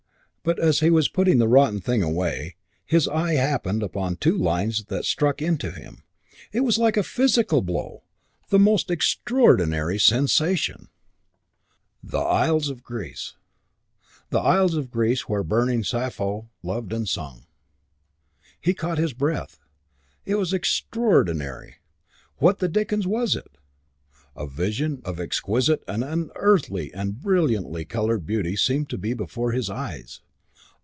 But as he was putting the rotten thing away, his eye happened upon two lines that struck into him it was like a physical blow the most extraordinary sensation: The isles of Greece, the isles of Greece Where burning Sappho loved and sung. He caught his breath. It was extraordinary. What the dickens was it? A vision of exquisite and unearthly and brilliantly coloured beauty seemed to be before his eyes.